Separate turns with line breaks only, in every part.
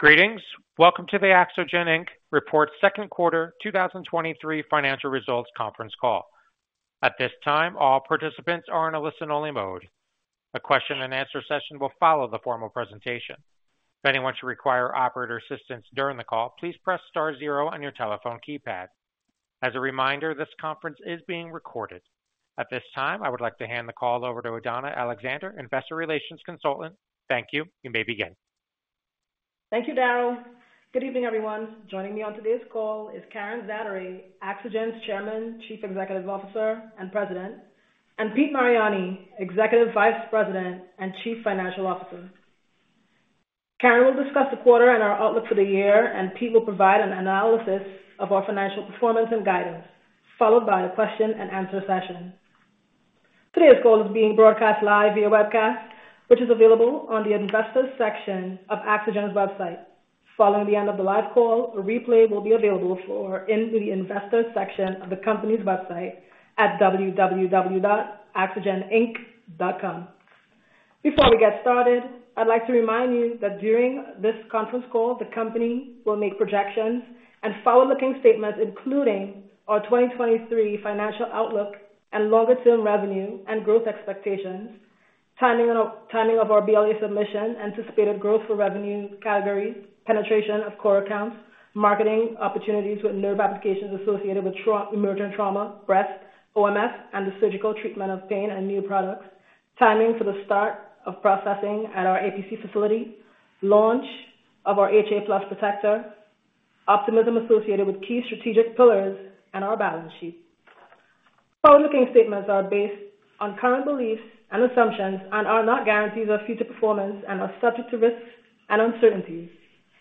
Greetings! Welcome to the AxoGen Inc. Report, Q2 2023 financial results conference call. At this time, all participants are in a listen-only mode. A Q&A session will follow the formal presentation. If anyone should require operator assistance during the call, please press star zero on your telephone keypad. As a reminder, this conference is being recorded. At this time, I would like to hand the call over to Adanna Alexander, investor relations consultant. Thank you. You may begin.
Thank you, Daryl. Good evening, everyone. Joining me on today's call is Karen Zaderej, AxoGen's Chairman, Chief Executive Officer, and President, and Pete Mariani, Executive Vice President and Chief Financial Officer. Karen will discuss the quarter and our outlook for the year, and Pete will provide an analysis of our financial performance and guidance, followed by a Q&A session. Today's call is being broadcast live via webcast, which is available on the investors section of AxoGen's website. Following the end of the live call, a replay will be available in the investors section of the company's website at www.axogeninc.com. Before we get started, I'd like to remind you that during this conference call, the company will make projections and forward-looking statements, including our 2023 financial outlook and longer-term revenue and growth expectations, timing of our BLA submission, anticipated growth for revenue categories, penetration of core accounts, marketing opportunities with nerve applications associated with emergent trauma, breast, OMS, and the surgical treatment of pain and new products. Timing for the start of processing at our APC facility, launch of our HA+ Nerve Protector, optimism associated with key strategic pillars and our balance sheet. Forward-looking statements are based on current beliefs and assumptions and are not guarantees of future performance and are subject to risks and uncertainties,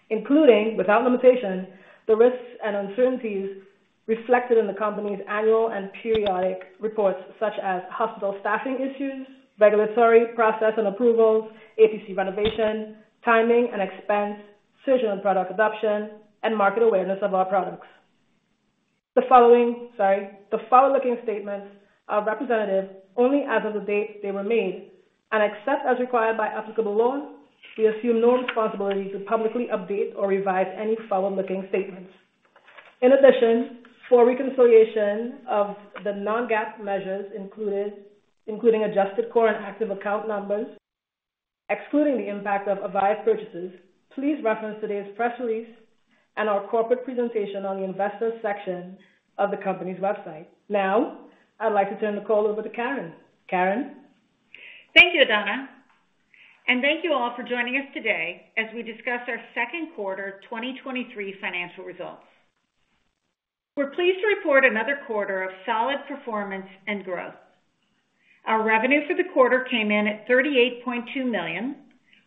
including without limitation, the risks and uncertainties reflected in the company's annual and periodic reports, such as hospital staffing issues, regulatory process and approvals, APC renovation, timing and expense, surgical and product adoption, and market awareness of our products. Sorry. The forward-looking statements are representative only as of the date they were made, and except as required by applicable law, we assume no responsibility to publicly update or revise any forward-looking statements. In addition, for reconciliation of the non-GAAP measures included, including adjusted core and active account numbers, excluding the impact of Avive purchases, please reference today's press release and our corporate presentation on the investor section of the company's website. Now, I'd like to turn the call over to Karen. Karen?
Thank you, Adanna, thank you all for joining us today as we discuss our Q2 2023 financial results. We're pleased to report another quarter of solid performance and growth. Our revenue for the quarter came in at $38.2 million,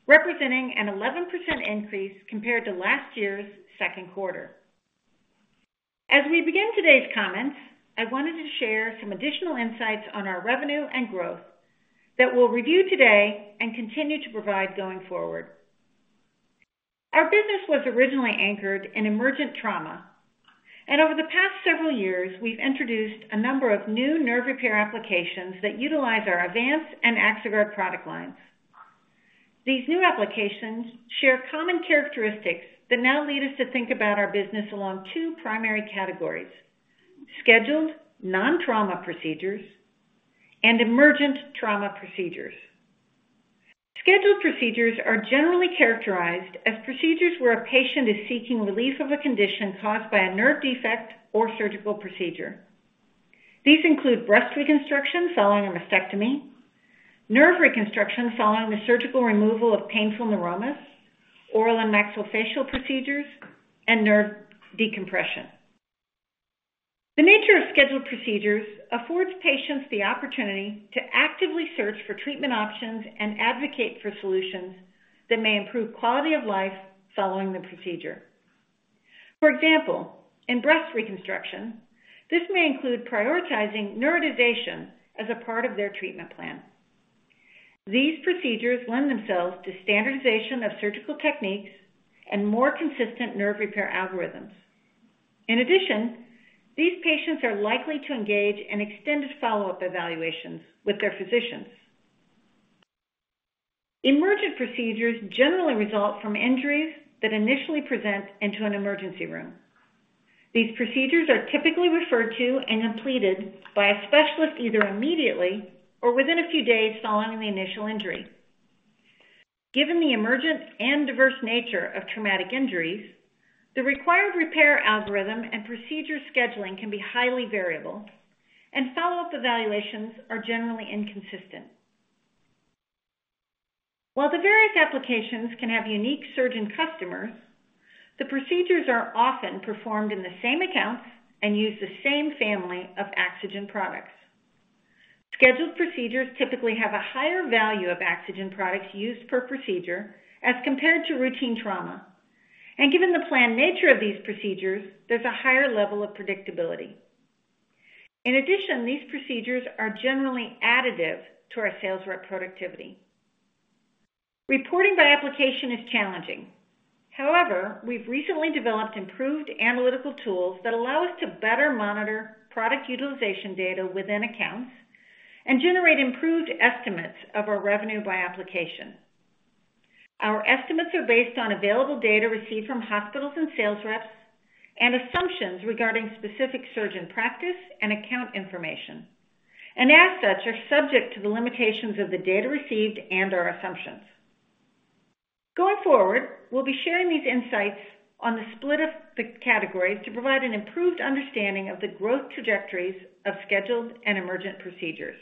representing an 11% increase compared to last year's Q2. As we begin today's comments, I wanted to share some additional insights on our revenue and growth that we'll review today and continue to provide going forward. Our business was originally anchored in emergent trauma, and over the past several years, we've introduced a number of new nerve repair applications that utilize our Avance and AxoGuard product lines. These new applications share common characteristics that now lead us to think about our business along two primary categories: scheduled non-trauma procedures and emergent trauma procedures. Scheduled procedures are generally characterized as procedures where a patient is seeking relief of a condition caused by a nerve defect or surgical procedure. These include breast reconstruction following a mastectomy, nerve reconstruction following the surgical removal of painful neuromas, oral and maxillofacial procedures, and nerve decompression. The nature of scheduled procedures affords patients the opportunity to actively search for treatment options and advocate for solutions that may improve quality of life following the procedure. For example, in breast reconstruction, this may include prioritizing neurotization as a part of their treatment plan. These procedures lend themselves to standardization of surgical techniques and more consistent nerve repair algorithms. In addition, these patients are likely to engage in extended follow-up evaluations with their physicians. Emergent procedures generally result from injuries that initially present into an emergency room. These procedures are typically referred to and completed by a specialist, either immediately or within a few days following the initial injury. Given the emergent and diverse nature of traumatic injuries, the required repair algorithm and procedure scheduling can be highly variable, and follow-up evaluations are generally inconsistent. While the various applications can have unique surgeon customers, the procedures are often performed in the same accounts and use the same family of AxoGen products. Scheduled procedures typically have a higher value of AxoGen products used per procedure as compared to routine trauma, and given the planned nature of these procedures, there's a higher level of predictability. In addition, these procedures are generally additive to our sales rep productivity. Reporting by application is challenging. However, we've recently developed improved analytical tools that allow us to better monitor product utilization data within accounts, and generate improved estimates of our revenue by application. Our estimates are based on available data received from hospitals and sales reps, and assumptions regarding specific surgeon practice and account information, and as such, are subject to the limitations of the data received and our assumptions. Going forward, we'll be sharing these insights on the split of the categories to provide an improved understanding of the growth trajectories of scheduled and emergent procedures.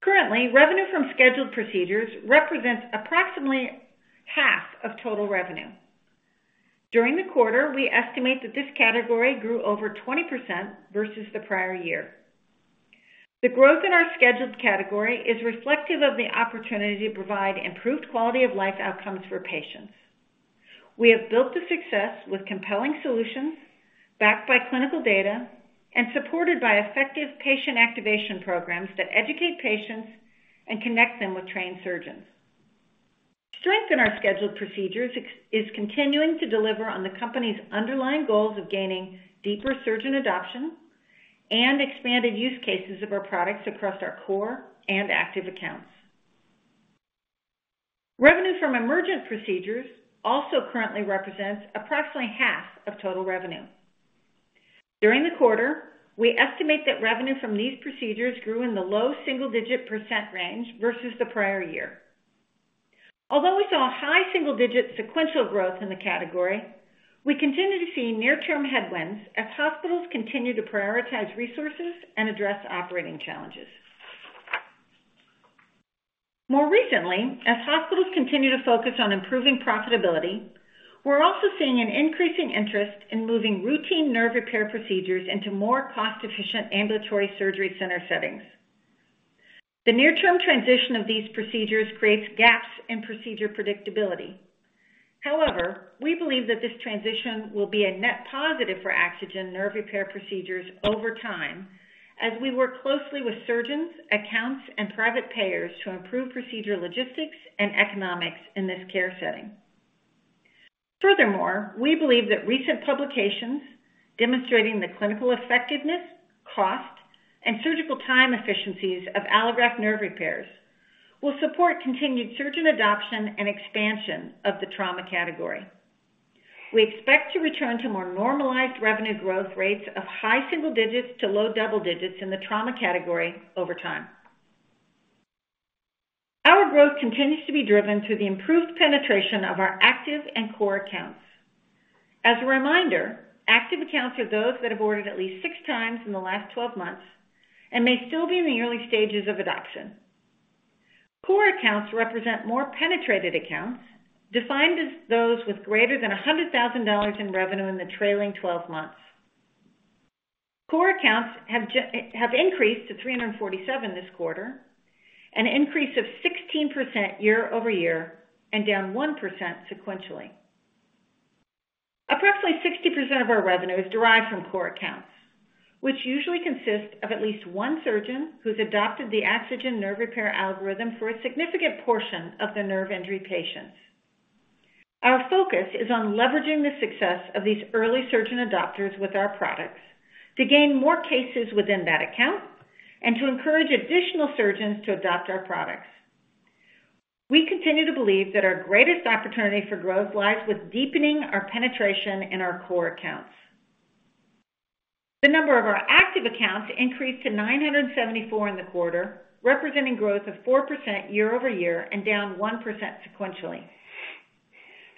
Currently, revenue from scheduled procedures represents approximately half of total revenue. During the quarter, we estimate that this category grew over 20% versus the prior year. The growth in our scheduled category is reflective of the opportunity to provide improved quality of life outcomes for patients. We have built the success with compelling solutions, backed by clinical data, and supported by effective patient activation programs that educate patients and connect them with trained surgeons. Strength in our scheduled procedures is continuing to deliver on the company's underlying goals of gaining deeper surgeon adoption and expanded use cases of our products across our core and active accounts. Revenue from emergent procedures also currently represents approximately half of total revenue. During the quarter, we estimate that revenue from these procedures grew in the low single-digit % range versus the prior year. Although we saw a high single-digit sequential growth in the category, we continue to see near-term headwinds as hospitals continue to prioritize resources and address operating challenges. More recently, as hospitals continue to focus on improving profitability, we're also seeing an increasing interest in moving routine nerve repair procedures into more cost-efficient ambulatory surgery center settings. The near-term transition of these procedures creates gaps in procedure predictability. However, we believe that this transition will be a net positive for Axogen nerve repair procedures over time, as we work closely with surgeons, accounts, and private payers to improve procedure, logistics, and economics in this care setting. Furthermore, we believe that recent publications demonstrating the clinical effectiveness, cost, and surgical time efficiencies of allograft nerve repairs will support continued surgeon adoption and expansion of the trauma category. We expect to return to more normalized revenue growth rates of high single digits to low double digits in the trauma category over time. Our growth continues to be driven through the improved penetration of our active and core accounts. As a reminder, active accounts are those that have ordered at least six times in the last 12 months and may still be in the early stages of adoption. Core accounts represent more penetrated accounts, defined as those with greater than $100,000 in revenue in the trailing 12 months. Core accounts have increased to 347 this quarter, an increase of 16% year-over-year and down 1% sequentially. Approximately 60% of our revenue is derived from core accounts, which usually consist of at least one surgeon who's adopted the AxoGen nerve repair algorithm for a significant portion of their nerve injury patients. Our focus is on leveraging the success of these early surgeon adopters with our products to gain more cases within that account and to encourage additional surgeons to adopt our products. We continue to believe that our greatest opportunity for growth lies with deepening our penetration in our core accounts. The number of our active accounts increased to 974 in the quarter, representing growth of 4% year-over-year and down 1% sequentially.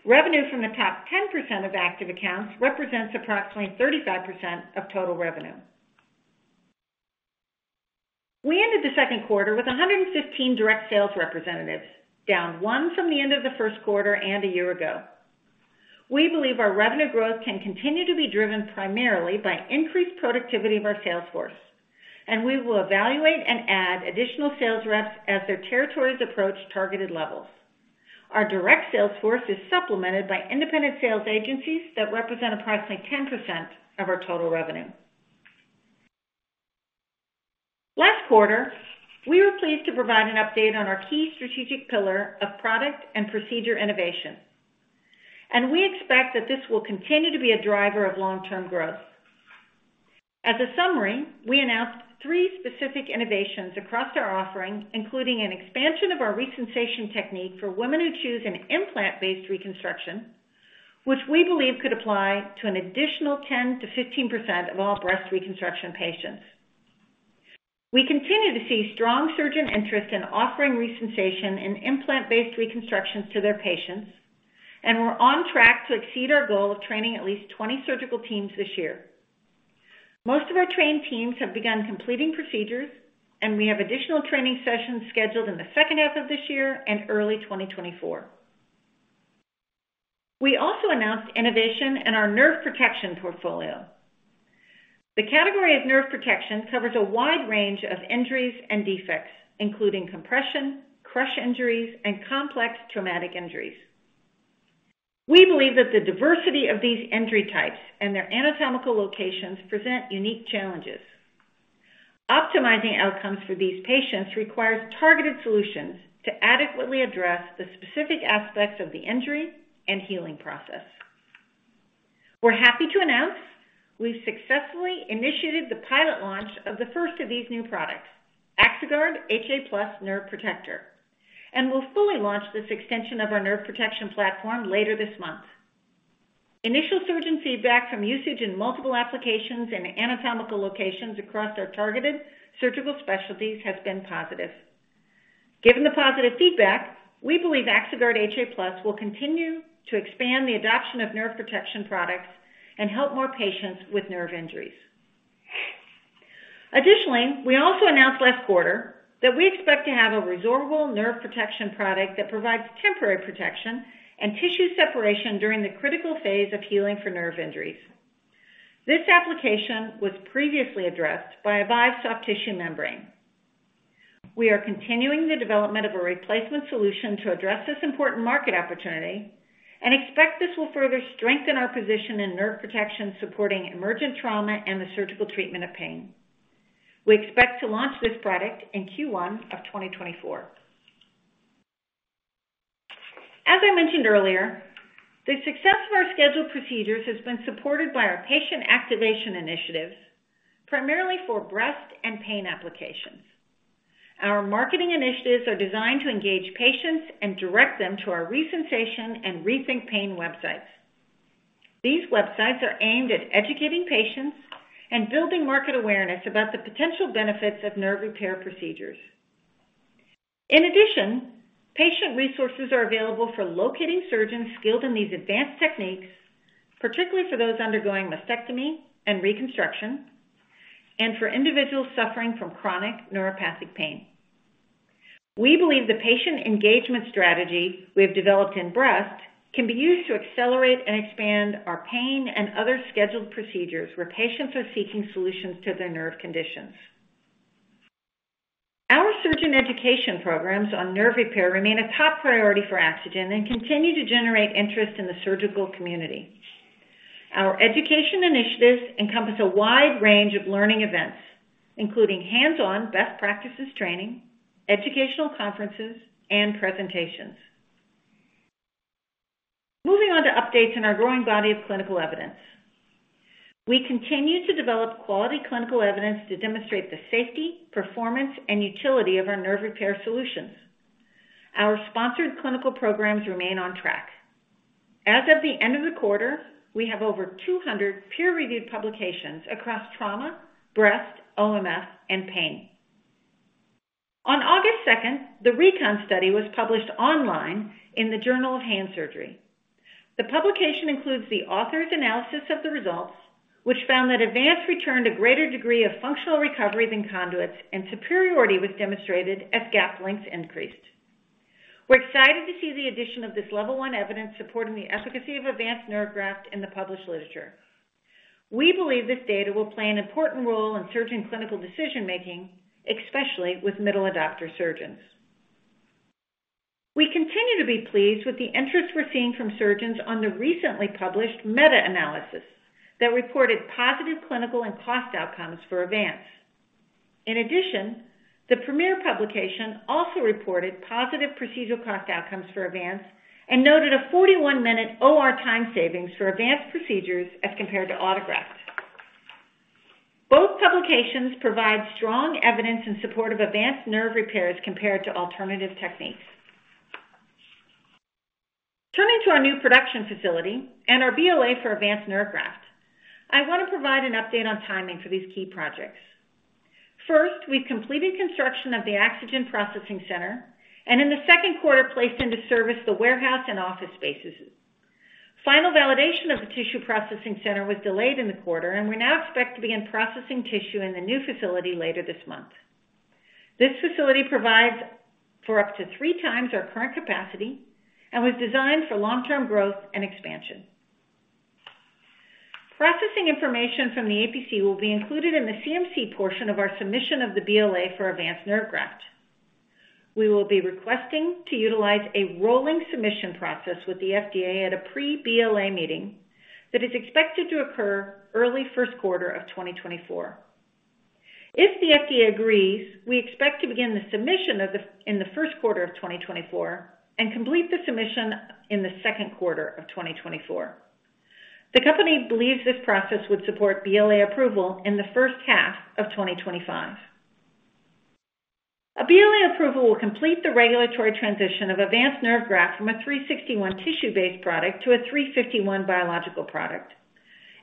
Revenue from the top 10% of active accounts represents approximately 35% of total revenue. We ended the Q2 with 115 direct sales representatives, down one from the end of the Q1 and a year ago. We believe our revenue growth can continue to be driven primarily by increased productivity of our sales force, and we will evaluate and add additional sales reps as their territories approach targeted levels. Our direct sales force is supplemented by independent sales agencies that represent approximately 10% of our total revenue. Last quarter, we were pleased to provide an update on our key strategic pillar of product and procedure innovation. We expect that this will continue to be a driver of long-term growth. As a summary, we announced three specific innovations across our offering, including an expansion of our Resensation technique for women who choose an implant-based reconstruction, which we believe could apply to an additional 10% to 15% of all breast reconstruction patients. We continue to see strong surgeon interest in offering Resensation and implant-based reconstructions to their patients. We're on track to exceed our goal of training at least 20 surgical teams this year. Most of our trained teams have begun completing procedures. We have additional training sessions scheduled in the second half of this year and early 2024. We also announced innovation in our nerve protection portfolio. The category of nerve protection covers a wide range of injuries and defects, including compression, crush injuries, and complex traumatic injuries. We believe that the diversity of these injury types and their anatomical locations present unique challenges. Optimizing outcomes for these patients requires targeted solutions to adequately address the specific aspects of the injury and healing process. We're happy to announce we've successfully initiated the pilot launch of the first of these new products, AxoGuard HA+ Nerve Protector, and will fully launch this extension of our nerve protection platform later this month. Initial surgeon feedback from usage in multiple applications and anatomical locations across our targeted surgical specialties has been positive. Given the positive feedback, we believe AxoGuard HA+ will continue to expand the adoption of nerve protection products and help more patients with nerve injuries. Additionally, we also announced last quarter that we expect to have a resorbable nerve protection product that provides temporary protection and tissue separation during the critical phase of healing for nerve injuries. This application was previously addressed by a Avive Soft Tissue Membrane. We are continuing the development of a replacement solution to address this important market opportunity and expect this will further strengthen our position in nerve protection, supporting emergent trauma and the surgical treatment of pain. We expect to launch this product in Q1 of 2024. As I mentioned earlier, the success of our scheduled procedures has been supported by our patient activation initiatives, primarily for breast and pain applications. Our marketing initiatives are designed to engage patients and direct them to our Resensation and Rethink Pain websites. These websites are aimed at educating patients and building market awareness about the potential benefits of nerve repair procedures. In addition, patient resources are available for locating surgeons skilled in these advanced techniques, particularly for those undergoing mastectomy and reconstruction, and for individuals suffering from chronic neuropathic pain. We believe the patient engagement strategy we have developed in breast can be used to accelerate and expand our pain and other scheduled procedures, where patients are seeking solutions to their nerve conditions. Our surgeon education programs on nerve repair remain a top priority for Axogen and continue to generate interest in the surgical community. Our education initiatives encompass a wide range of learning events, including hands-on best practices training, educational conferences, and presentations. Moving on to updates in our growing body of clinical evidence. We continue to develop quality clinical evidence to demonstrate the safety, performance, and utility of our nerve repair solutions. Our sponsored clinical programs remain on track. As of the end of the quarter, we have over 200 peer-reviewed publications across trauma, breast, OMF, and pain. On August 2nd, the RECON study was published online in the Journal of Hand Surgery. The publication includes the author's analysis of the results, which found that Avance returned a greater degree of functional recovery than conduits, and superiority was demonstrated as gap lengths increased. We're excited to see the addition of this Level One evidence supporting the efficacy of Avance Nerve Graft in the published literature. We believe this data will play an important role in surgeon clinical decision-making, especially with middle adopter surgeons. We continue to be pleased with the interest we're seeing from surgeons on the recently published meta-analysis that reported positive clinical and cost outcomes for Avance. In addition, the premier publication also reported positive procedural cost outcomes for Avance and noted a 41 minute OR time savings for Avance procedures as compared to autograft. Both publications provide strong evidence in support of Avance Nerve repairs compared to alternative techniques. Turning to our new production facility and our BLA for Avance Nerve Graft, I want to provide an update on timing for these key projects. First, we've completed construction of the AxoGen Processing Center and in the Q2, placed into service the warehouse and office spaces. Final validation of the tissue processing center was delayed in the quarter, and we now expect to begin processing tissue in the new facility later this month. This facility provides for up to 3x our current capacity and was designed for long-term growth and expansion. Processing information from the APC will be included in the CMC portion of our submission of the BLA for Avance Nerve Graft. We will be requesting to utilize a rolling submission process with the FDA at a pre-BLA meeting that is expected to occur early Q1 of 2024. If the FDA agrees, we expect to begin the submission in the Q1 of 2024 and complete the submission in the Q2 of 2024. The company believes this process would support BLA approval in the first half of 2025. A BLA approval will complete the regulatory transition of Avance Nerve Graft from a Section 361 tissue-based product to a Section 351 biological product.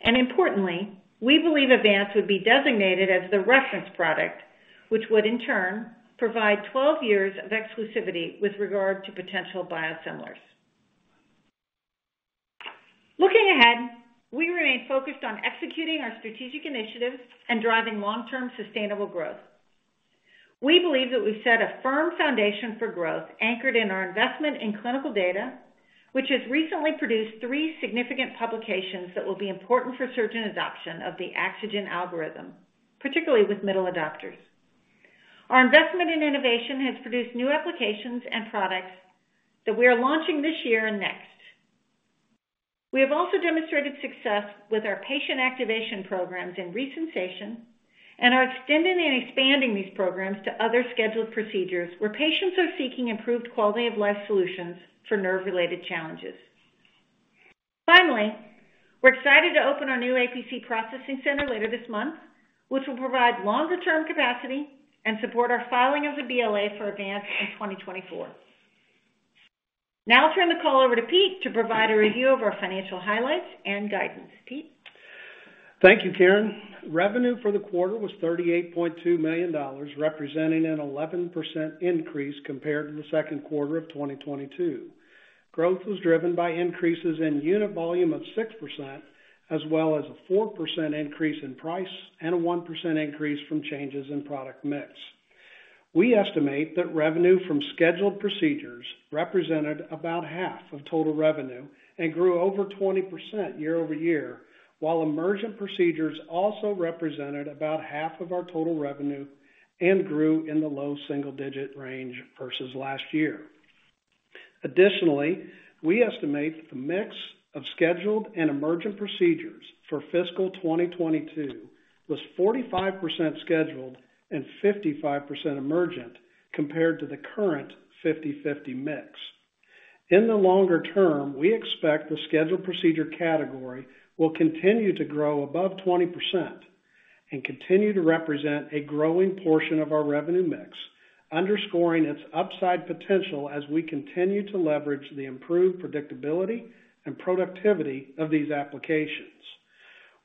Importantly, we believe Avance would be designated as the reference product, which would in turn provide 12 years of exclusivity with regard to potential biosimilars. Looking ahead, we remain focused on executing our strategic initiatives and driving long-term sustainable growth. We believe that we've set a firm foundation for growth, anchored in our investment in clinical data, which has recently produced three significant publications that will be important for surgeon adoption of the AxoGen algorithm, particularly with middle adopters. Our investment in innovation has produced new applications and products that we are launching this year and next. We have also demonstrated success with our patient activation programs in Resensation and are extending and expanding these programs to other scheduled procedures where patients are seeking improved quality of life solutions for nerve-related challenges. Finally, we're excited to open our new APC processing center later this month, which will provide longer-term capacity and support our filing of the BLA for Avance in 2024. Now I'll turn the call over to Pete to provide a review of our financial highlights and guidance. Pete?
Thank you, Karen. Revenue for the quarter was $38.2 million, representing an 11% increase compared to the Q2 of 2022. Growth was driven by increases in unit volume of 6%, as well as a 4% increase in price and a 1% increase from changes in product mix. We estimate that revenue from scheduled procedures represented about half of total revenue and grew over 20% year-over-year, while emergent procedures also represented about half of our total revenue and grew in the low single digit range versus last year. Additionally, we estimate that the mix of scheduled and emergent procedures for fiscal 2022 was 45% scheduled and 55% emergent, compared to the current 50/50 mix. In the longer term, we expect the scheduled procedure category will continue to grow above 20% and continue to represent a growing portion of our revenue mix, underscoring its upside potential as we continue to leverage the improved predictability and productivity of these applications.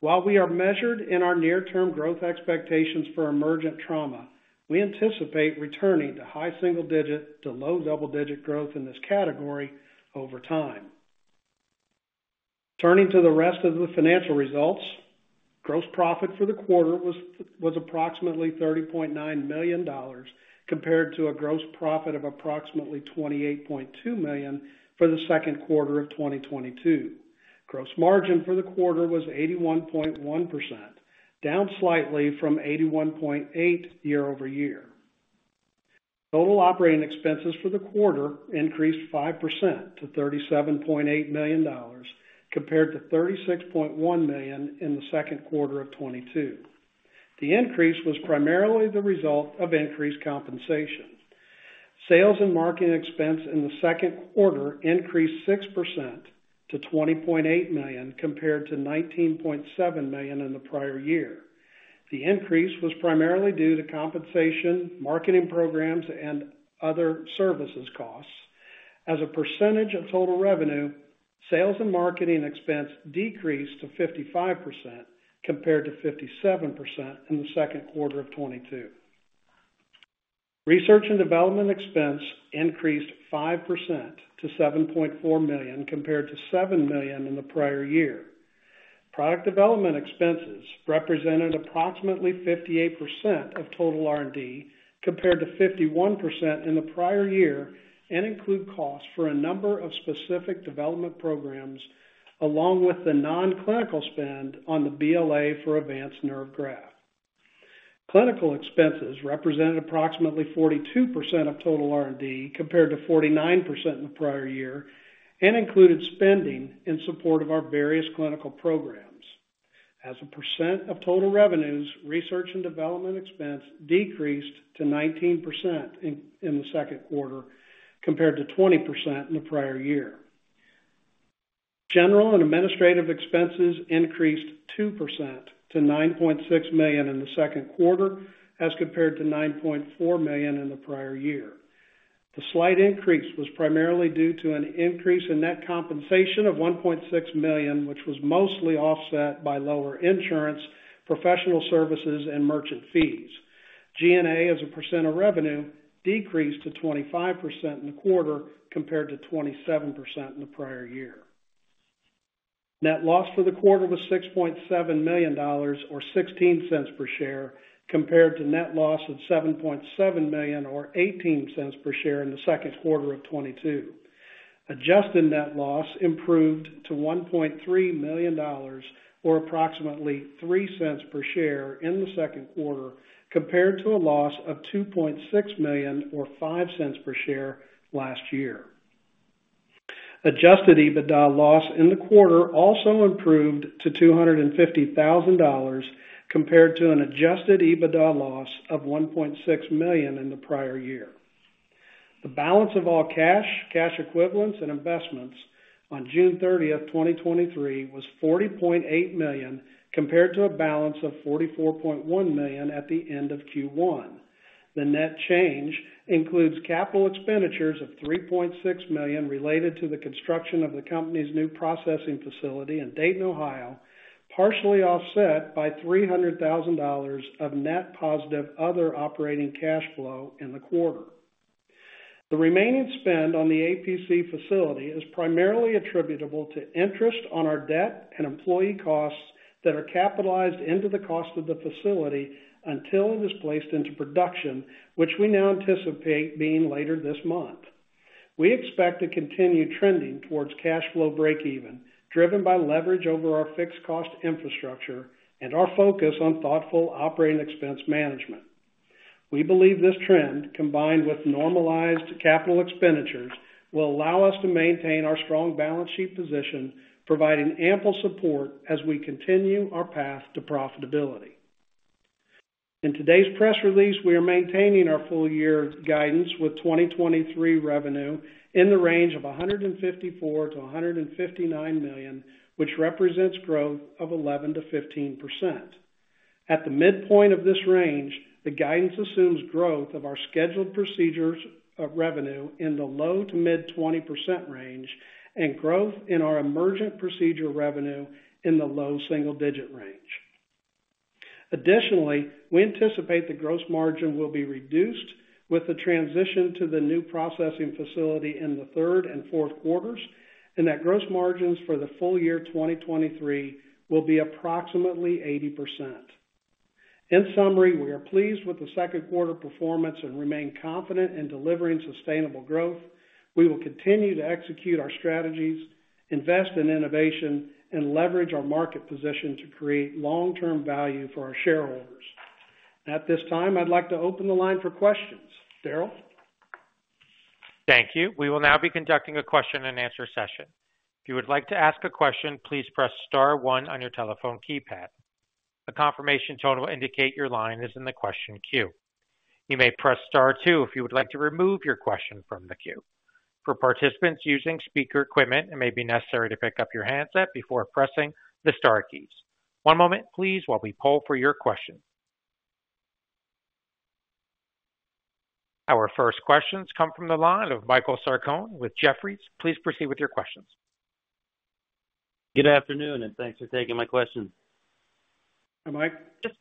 While we are measured in our near-term growth expectations for emergent trauma, we anticipate returning to high single digit to low double-digit growth in this category over time. Turning to the rest of the financial results. Gross profit for the quarter was approximately $30.9 million, compared to a gross profit of approximately $28.2 million for the Q2 of 2022. Gross margin for the quarter was 81.1%, down slightly from 81.8% year-over-year. Total operating expenses for the quarter increased 5% to $37.8 million, compared to $36.1 million in the Q2 of 2022. The increase was primarily the result of increased compensation. Sales and marketing expense in the Q2 increased 6% to $20.8 million, compared to $19.7 million in the prior year. The increase was primarily due to compensation, marketing programs, and other services costs. As a percentage of total revenue, sales and marketing expense decreased to 55%, compared to 57% in the Q2 of 2022. Research and development expense increased 5% to $7.4 million, compared to $7 million in the prior year. Product development expenses represented approximately 58% of total R&D, compared to 51% in the prior year, and include costs for a number of specific development programs, along with the non-clinical spend on the BLA for Avance Nerve Graft. Clinical expenses represented approximately 42% of total R&D, compared to 49% in the prior year, and included spending in support of our various clinical programs. As a percent of total revenues, research and development expense decreased to 19% in the Q2, compared to 20% in the prior year. General and administrative expenses increased 2% to $9.6 million in the Q2, as compared to $9.4 million in the prior year. The slight increase was primarily due to an increase in net compensation of $1.6 million, which was mostly offset by lower insurance, professional services, and merchant fees. G&A, as a percent of revenue, decreased to 25% in the quarter, compared to 27% in the prior year. Net loss for the quarter was $6.7 million, or $0.16 per share, compared to net loss of $7.7 million, or $0.18 per share in the 2Q of 2022. Adjusted net loss improved to $1.3 million, or approximately $0.03 per share in the Q2, compared to a loss of $2.6 million, or $0.05 per share last year. Adjusted EBITDA loss in the quarter also improved to $250,000, compared to an adjusted EBITDA loss of $1.6 million in the prior year. The balance of all cash, cash equivalents, and investments on June 30th, 2023, was $40.8 million, compared to a balance of $44.1 million at the end of Q1. The net change includes capital expenditures of $3.6 million related to the construction of the company's new processing facility in Dayton, Ohio, partially offset by $300,000 of net positive other operating cash flow in the quarter. The remaining spend on the APC facility is primarily attributable to interest on our debt and employee costs that are capitalized into the cost of the facility until it is placed into production, which we now anticipate being later this month. We expect to continue trending towards cash flow breakeven, driven by leverage over our fixed cost infrastructure and our focus on thoughtful operating expense management. We believe this trend, combined with normalized capital expenditures, will allow us to maintain our strong balance sheet position, providing ample support as we continue our path to profitability. In today's press release, we are maintaining our full-year guidance with 2023 revenue in the range of $154 million to 159 million, which represents growth of 11% to 15%. At the midpoint of this range, the guidance assumes growth of our scheduled procedures of revenue in the low to mid-20% range and growth in our emergent procedure revenue in the low single-digit range. Additionally, we anticipate the gross margin will be reduced with the transition to the new processing facility in the Q3 and Q4s, and that gross margins for the full year 2023 will be approximately 80%. In summary, we are pleased with the Q2 performance and remain confident in delivering sustainable growth. We will continue to execute our strategies, invest in innovation, and leverage our market position to create long-term value for our shareholders. At this time, I'd like to open the line for questions. Daryl?
Thank you. We will now be conducting a Q&A session. If you would like to ask a question, please press star one on your telephone keypad. A confirmation tone will indicate your line is in the question queue. You may press star two if you would like to remove your question from the queue. For participants using speaker equipment, it may be necessary to pick up your handset before pressing the star keys. One moment, please, while we poll for your question. Our first questions come from the line of Michael Sarcone with Jefferies. Please proceed with your questions.
Good afternoon. Thanks for taking my questions.
Hi, Mike.
Just,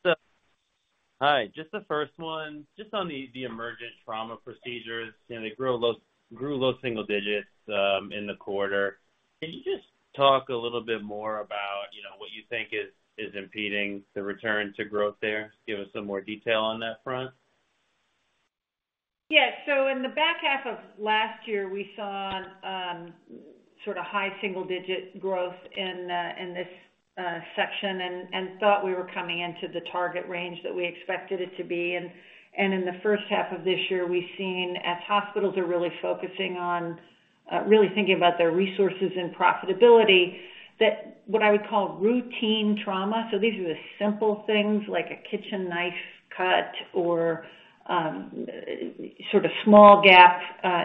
Hi, just the first one, just on the, the Emergent trauma procedures, you know, they grew low, grew low single digits in the quarter. Can you just talk a little bit more about, you know, what you think is, is impeding the return to growth there? Give us some more detail on that front.
Yeah. In the back half of last year, we saw sort of high single-digit growth in this section and thought we were coming into the target range that we expected it to be. In the first half of this year, we've seen, as hospitals are really focusing on, really thinking about their resources and profitability, that what I would call routine trauma, so these are the simple things like a kitchen knife cut or, sort of small gap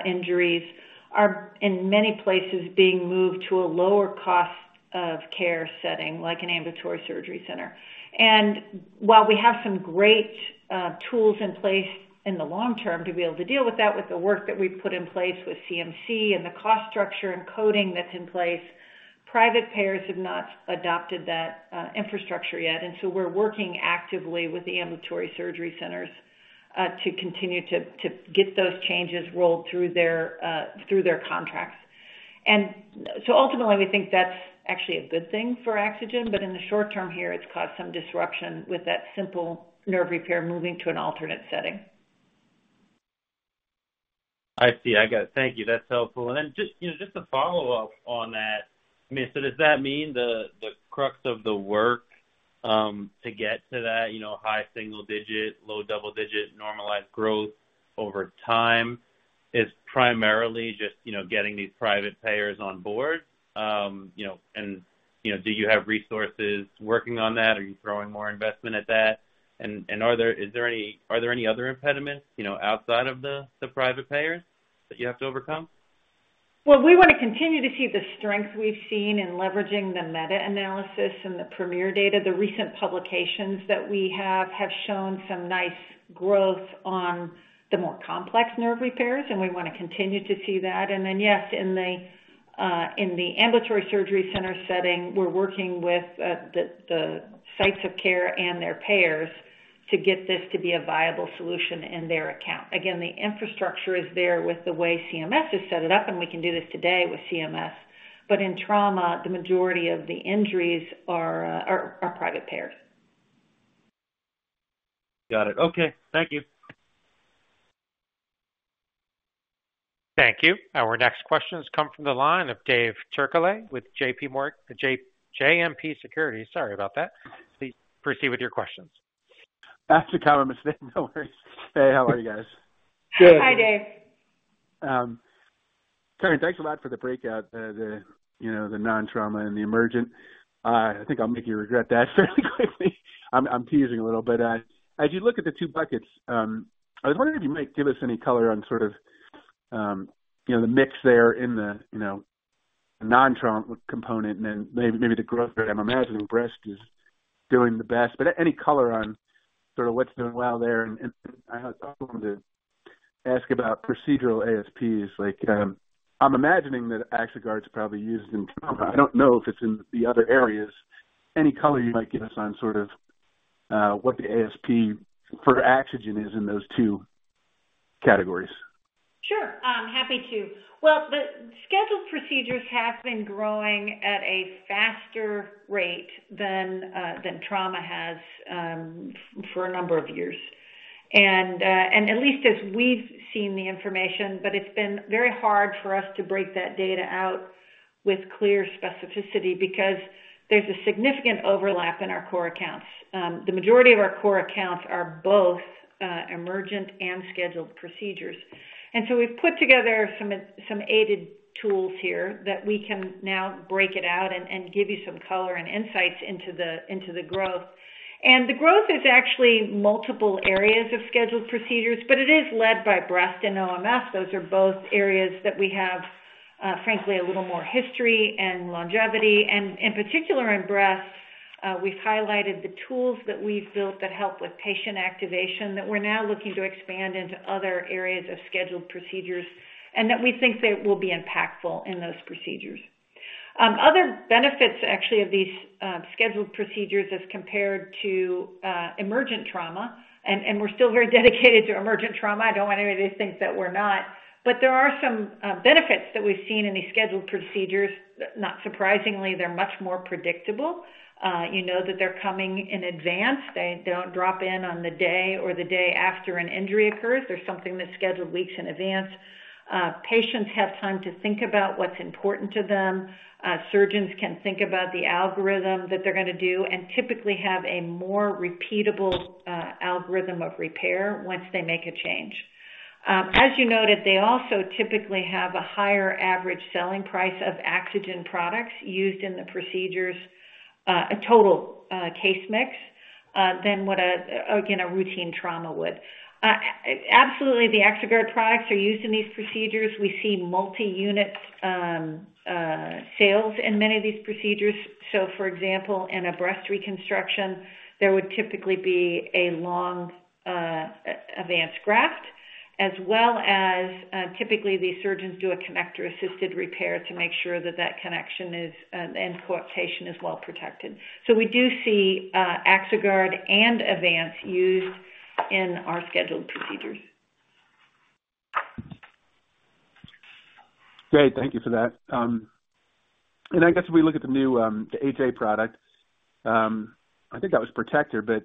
injuries, are, in many places, being moved to a lower cost of care setting, like an ambulatory surgery center. While we have some great tools in place in the long term to be able to deal with that, with the work that we've put in place with CMC and the cost structure and coding that's in place, private payers have not adopted that infrastructure yet, so we're working actively with the ambulatory surgery centers to continue to, to get those changes rolled through their through their contracts. So ultimately, we think that's actually a good thing for AxoGen, but in the short term here, it's caused some disruption with that simple nerve repair moving to an alternate setting.
I see. I got it. Thank you. That's helpful. Then just, you know, just to follow up on that, I mean, does that mean the, the crux of the work to get to that, you know, high single-digit, low double-digit normalized growth over time is primarily just, you know, getting these private payers on board? You know, and, you know, do you have resources working on that? Are you throwing more investment at that? Are there any other impediments, you know, outside of the, the private payers that you have to overcome?
We want to continue to see the strength we've seen in leveraging the meta-analysis and the Premier data. The recent publications that we have, have shown some nice growth on the more complex nerve repairs. We want to continue to see that. Yes, in the in the ambulatory surgery center setting, we're working with the the sites of care and their payers to get this to be a viable solution in their account. Again, the infrastructure is there with the way CMS has set it up. We can do this today with CMS. In trauma, the majority of the injuries are are are private payers.
Got it. Okay. Thank you.
Thank you. Our next questions come from the line of Dave Turkaly with JP Morgan. JMP Securities, sorry about that. Please proceed with your questions.
After one, no worries. Hey, how are you guys?
Good.
Hi, Dave.
Karen, thanks a lot for the breakout. The, you know, the non-trauma and the emergent. I think I'll make you regret that fairly quickly. I'm, I'm teasing a little, but as you look at the two buckets, I was wondering if you might give us any color on sort of, you know, the mix there in the, you know, non-trauma component and then maybe, maybe the growth rate. I'm imagining breast is doing the best, but any color on sort of what's doing well there? I also wanted to ask about procedural ASPs. Like, I'm imagining that AxoGuard's probably used in trauma. I don't know if it's in the other areas. Any color you might give us on sort of, what the ASP for Axogen is in those two categories?
Sure, I'm happy to. Well, the scheduled procedures have been growing at a faster rate than trauma has for a number of years. At least as we've seen the information, but it's been very hard for us to break that data out with clear specificity because there's a significant overlap in our core accounts. The majority of our core accounts are both emergent and scheduled procedures. We've put together some aided tools here that we can now break it out and give you some color and insights into the growth. The growth is actually multiple areas of scheduled procedures, but it is led by breast and OMS. Those are both areas that we have, frankly, a little more history and longevity, and in particular, in breast, we've highlighted the tools that we've built that help with patient activation, that we're now looking to expand into other areas of scheduled procedures, and that we think they will be impactful in those procedures. Other benefits, actually, of these scheduled procedures as compared to emergent trauma, and, and we're still very dedicated to emergent trauma. I don't want anybody to think that we're not, but there are some benefits that we've seen in these scheduled procedures. Not surprisingly, they're much more predictable. You know that they're coming in advance. They don't drop in on the day or the day after an injury occurs. They're something that's scheduled weeks in advance. Patients have time to think about what's important to them. surgeons can think about the algorithm that they're gonna do and typically have a more repeatable algorithm of repair once they make a change. As you noted, they also typically have a higher average selling price of Axogen products used in the procedures, a total case mix than what a, again, a routine trauma would. Absolutely, the AxoGuard products are used in these procedures. We see multi-unit sales in many of these procedures. For example, in a breast reconstruction, there would typically be a long Avance graft, as well as, typically, these surgeons do a Connector-Assisted Repair to make sure that that connection is and coaptation is well protected. We do see AxoGuard and Avance used in our scheduled procedures.
Great. Thank you for that. I guess if we look at the new, the HA+ product, I think that was Protector, but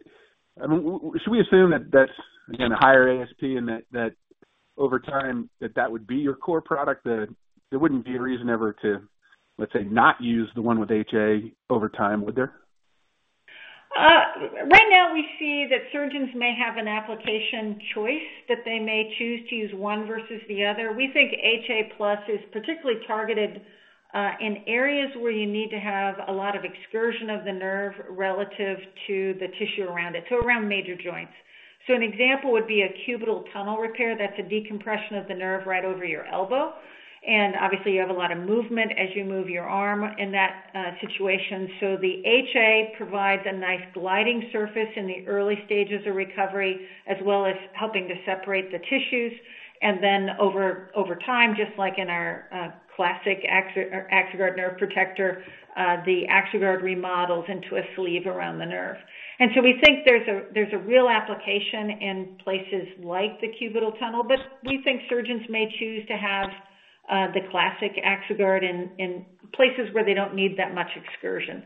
I mean, should we assume that that's, again, a higher ASP and that, that over time, that that would be your core product? That there wouldn't be a reason ever to, let's say, not use the one with HA+ over time, would there?
Right now, we see that surgeons may have an application choice, that they may choose to use one versus the other. We think HA+ is particularly targeted in areas where you need to have a lot of excursion of the nerve relative to the tissue around it, so around major joints. So an example would be a cubital tunnel repair. That's a decompression of the nerve right over your elbow. Obviously, you have a lot of movement as you move your arm in that situation. So the HA provides a nice gliding surface in the early stages of recovery, as well as helping to separate the tissues. Then over, over time, just like in our classic AxoGuard Nerve Protector, the AxoGuard remodels into a sleeve around the nerve. We think there's a, there's a real application in places like the cubital tunnel, but we think surgeons may choose to have, the classic AxoGuard in, in places where they don't need that much excursion.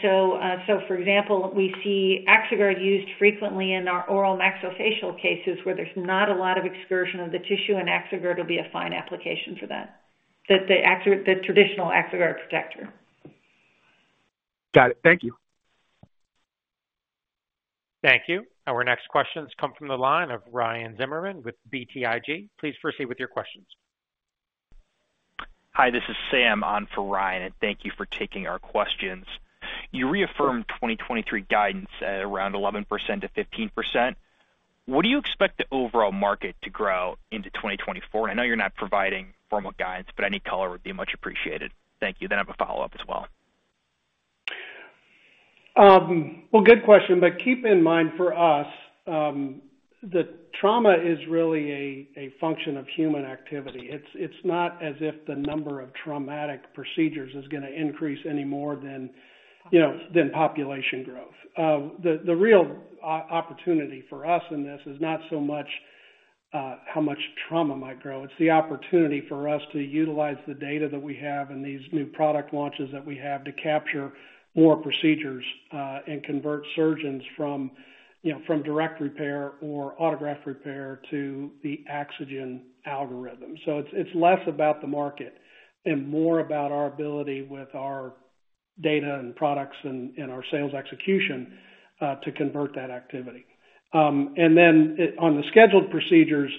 So, for example, we see AxoGuard used frequently in our oral maxillofacial cases, where there's not a lot of excursion of the tissue, and AxoGuard will be a fine application for that. The traditional AxoGuard protector.
Got it. Thank you.
Thank you. Our next questions come from the line of Ryan Zimmerman with BTIG. Please proceed with your questions.
Hi, this is Sam on for Ryan. Thank you for taking our questions. You reaffirmed 2023 guidance at around 11% to 15%. What do you expect the overall market to grow into 2024? I know you're not providing formal guidance, but any color would be much appreciated. Thank you. I have a follow-up as well.
Well, good question, but keep in mind, for us, the trauma is really a function of human activity. It's not as if the number of traumatic procedures is gonna increase any more than, you know, than population growth. The real opportunity for us in this is not so much how much trauma might grow. It's the opportunity for us to utilize the data that we have and these new product launches that we have to capture more procedures, and convert surgeons from, you know, from direct repair or autograft repair to the AxoGen algorithm. It's less about the market and more about our ability with our data and products and our sales execution to convert that activity. Then on the scheduled procedures.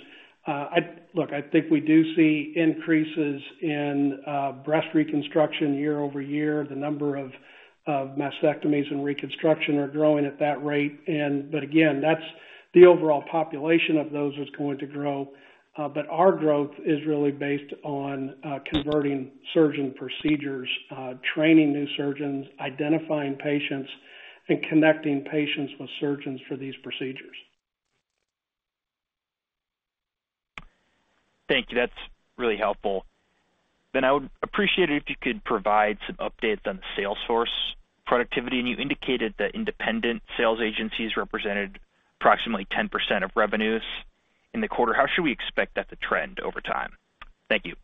Look, I think we do see increases in breast reconstruction year-over-year. The number of, of mastectomies and reconstruction are growing at that rate. But again, that's the overall population of those is going to grow. But our growth is really based on converting surgeon procedures, training new surgeons, identifying patients, and connecting patients with surgeons for these procedures.
Thank you. That's really helpful. I would appreciate it if you could provide some updates on the sales force productivity. You indicated that independent sales agencies represented approximately 10% of revenues in the quarter. How should we expect that to trend over time? Thank you.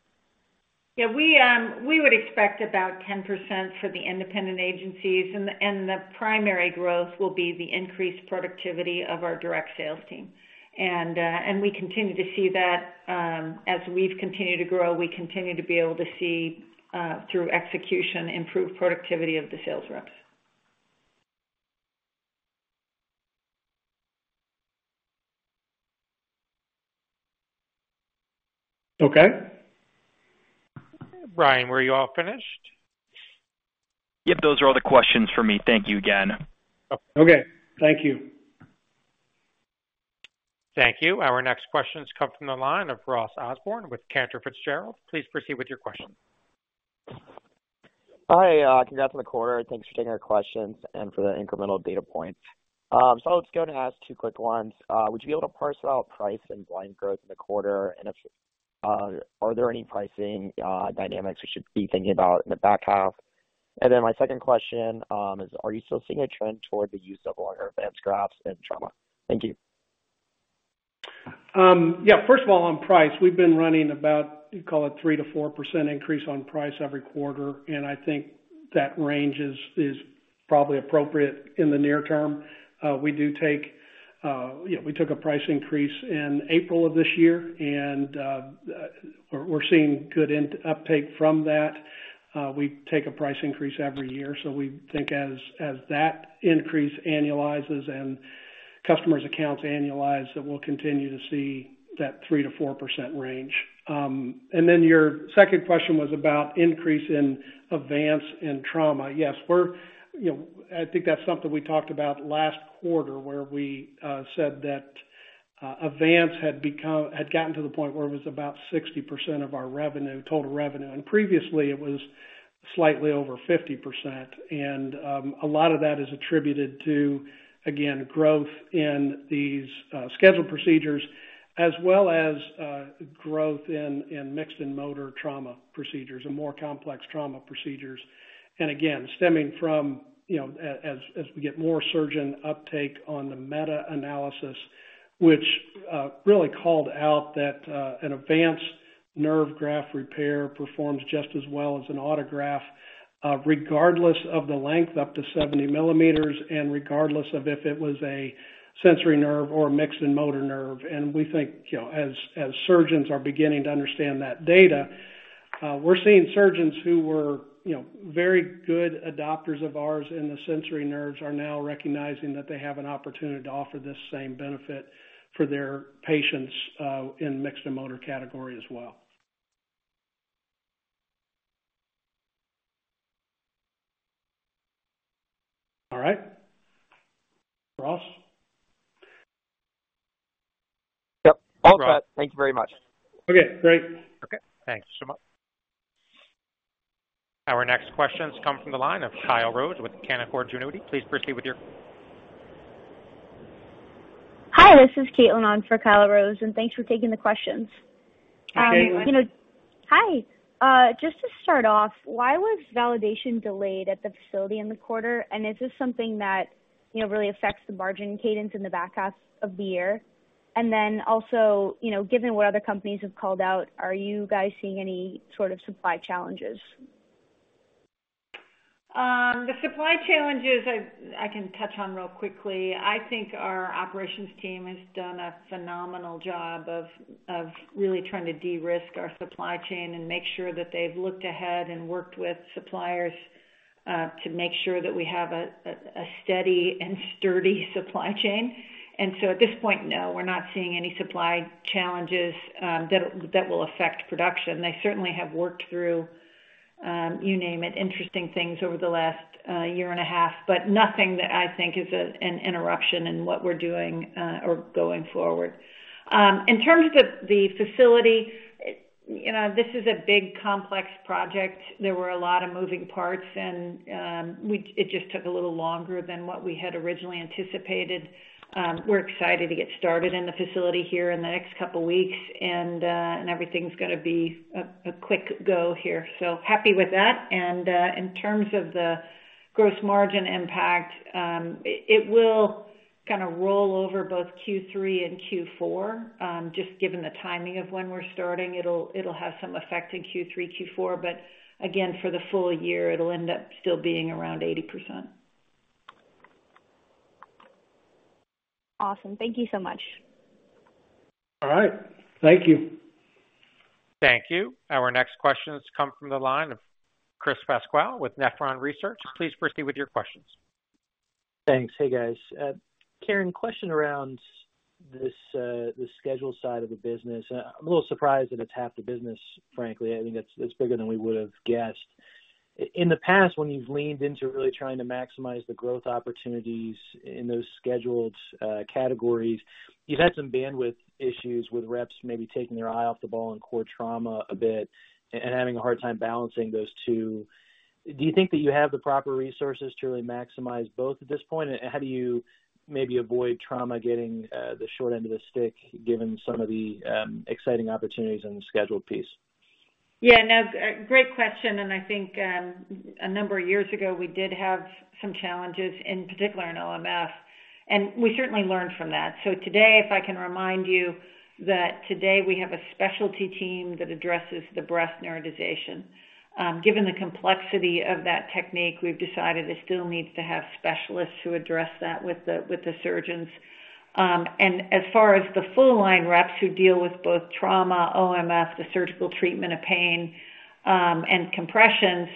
Yeah, we would expect about 10% for the independent agencies, and the primary growth will be the increased productivity of our direct sales team. We continue to see that, as we've continued to grow, we continue to be able to see, through execution, improved productivity of the sales reps.
Okay.
Sam, were you all finished?
Yep, those are all the questions for me. Thank you again.
Okay. Thank you.
Thank you. Our next questions come from the line of Ross Osborn with Cantor Fitzgerald. Please proceed with your question.
Hi, congrats on the quarter, and thanks for taking our questions and for the incremental data points. I was going to ask two quick ones. Would you be able to parse out price and line growth in the quarter? If, are there any pricing, dynamics we should be thinking about in the back half? My second question is: are you still seeing a trend toward the use of longer Avance grafts in trauma? Thank you.
First of all, on price, we've been running about, call it 3% to 4% increase on price every quarter. I think that range is probably appropriate in the near term. We do take, we took a price increase in April of this year. We're seeing good uptake from that. We take a price increase every year. We think as that increase annualizes and customers' accounts annualize, that we'll continue to see that 3% to 4% range. Your second question was about increase in Avance and trauma. Yes, we're, you know, I think that's something we talked about last quarter, where we said that Avance had become, had gotten to the point where it was about 60% of our revenue, total revenue, and previously it was slightly over 50%. A lot of that is attributed to, again, growth in these scheduled procedures, as well as growth in mixed and motor trauma procedures and more complex trauma procedures. Again, stemming from, you know, as we get more surgeon uptake on the meta-analysis, which really called out that an Avance Nerve Graft repair performs just as well as an autograft, regardless of the length, up to 70 mm, and regardless of if it was a sensory nerve or a mixed and motor nerve. We think, you know, as, as surgeons are beginning to understand that data, we're seeing surgeons who were, you know, very good adopters of ours in the sensory nerves are now recognizing that they have an opportunity to offer this same benefit for their patients, in mixed and motor category as well. All right. Ross?
Yep, all set. Thank you very much.
Okay, great.
Okay, thanks so much.
Our next questions come from the line of Kyle Rose with Canaccord Genuity. Please proceed.
Hi, this is Caitlin on for Kyle Rose, and thanks for taking the questions.
Caitlin.
you know, Hi, just to start off, why was validation delayed at the facility in the quarter? Is this something that, you know, really affects the margin cadence in the back half of the year? Also, you know, given what other companies have called out, are you guys seeing any sort of supply challenges?
The supply challenges I, I can touch on real quickly. I think our operations team has done a phenomenal job of, of really trying to de-risk our supply chain and make sure that they've looked ahead and worked with suppliers to make sure that we have a, a, a steady and sturdy supply chain. At this point, no, we're not seeing any supply challenges that, that will affect production. They certainly have worked through, you name it, interesting things over the last year and a half, but nothing that I think is an, an interruption in what we're doing or going forward. In terms of the facility, you know, this is a big, complex project. There were a lot of moving parts, and it just took a little longer than what we had originally anticipated. We're excited to get started in the facility here in the next couple of weeks, and everything's gonna be a quick go here. Happy with that. In terms of the gross margin impact, it will kind of roll over both Q3 and Q4. Just given the timing of when we're starting, it'll have some effect in Q3, Q4, but again, for the full year, it'll end up still being around 80%.
Awesome. Thank you so much.
All right. Thank you.
Thank you. Our next questions come from the line of Chris Pasquale with Nephron Research. Please proceed with your questions.
Thanks. Hey, guys. Karen, question around this, this schedule side of the business. I'm a little surprised that it's half the business, frankly. I think it's, it's bigger than we would have guessed. In the past, when you've leaned into really trying to maximize the growth opportunities in those scheduled categories, you've had some bandwidth issues with reps maybe taking their eye off the ball on core trauma a bit and, and having a hard time balancing those two. Do you think that you have the proper resources to really maximize both at this point? How do you maybe avoid trauma getting the short end of the stick, given some of the exciting opportunities in the scheduled piece?
Yeah, no, great question. I think a number of years ago, we did have some challenges, in particular in OMF, and we certainly learned from that. Today, if I can remind you that today we have a specialty team that addresses the breast neurotization. Given the complexity of that technique, we've decided it still needs to have specialists who address that with the, with the surgeons. As far as the full line reps who deal with both trauma, OMF, the surgical treatment of pain, and compressions,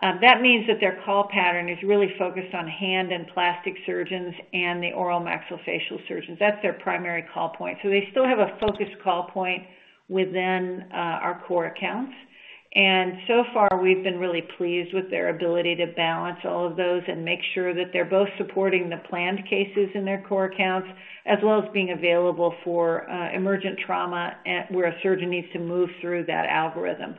that means that their call pattern is really focused on hand and plastic surgeons and the oral maxillofacial surgeons. That's their primary call point. They still have a focused call point within our core accounts. So far, we've been really pleased with their ability to balance all of those and make sure that they're both supporting the planned cases in their core accounts, as well as being available for, emergent trauma, at, where a surgeon needs to move through that algorithm.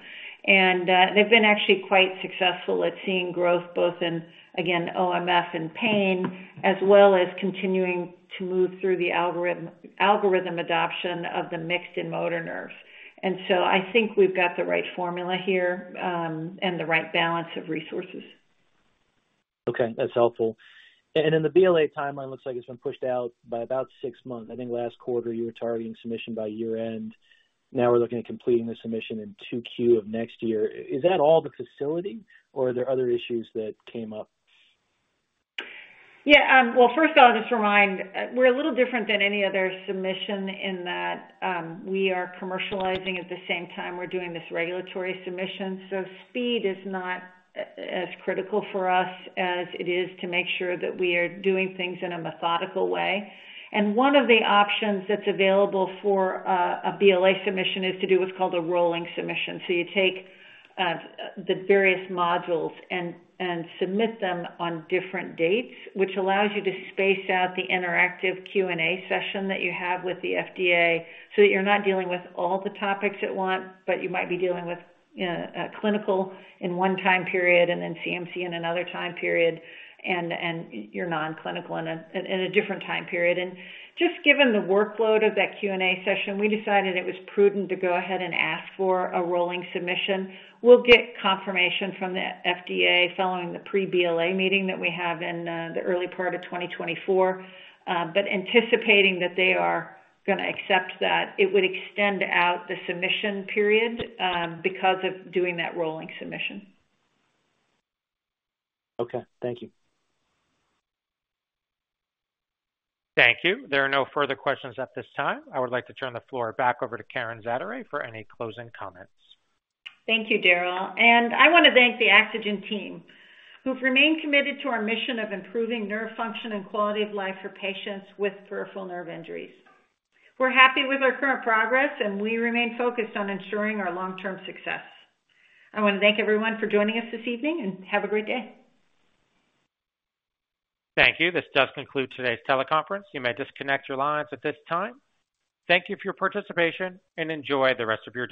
They've been actually quite successful at seeing growth both in, again, OMF and pain, as well as continuing to move through the algorithm, algorithm adoption of the mixed and motor nerves. So I think we've got the right formula here, and the right balance of resources.
Okay, that's helpful. Then the BLA timeline looks like it's been pushed out by about six months. I think last quarter you were targeting submission by year-end. Now we're looking at completing the submission in Q2 of next year. Is that all the facility or are there other issues that came up?
Yeah, well, first of all, just remind, we're a little different than any other submission in that, we are commercializing at the same time we're doing this regulatory submission. Speed is not a-as critical for us as it is to make sure that we are doing things in a methodical way. One of the options that's available for a BLA submission is to do what's called a rolling submission. You take the various modules and, and submit them on different dates, which allows you to space out the interactive Q&A session that you have with the FDA, so that you're not dealing with all the topics at once. You might be dealing with clinical in one time period, and then CMC in another time period, and, and your non-clinical in a, in a different time period. Just given the workload of that Q&A session, we decided it was prudent to go ahead and ask for a rolling submission. We'll get confirmation from the FDA following the pre-BLA meeting that we have in the early part of 2024. But anticipating that they are gonna accept that, it would extend out the submission period because of doing that rolling submission.
Okay, thank you.
Thank you. There are no further questions at this time. I would like to turn the floor back over to Karen Zaderej for any closing comments.
Thank you, Daryl. I want to thank the AxoGen team, who've remained committed to our mission of improving nerve function and quality of life for patients with peripheral nerve injuries. We're happy with our current progress, and we remain focused on ensuring our long-term success. I want to thank everyone for joining us this evening, and have a great day.
Thank you. This does conclude today's teleconference. You may disconnect your lines at this time. Thank you for your participation, and enjoy the rest of your day.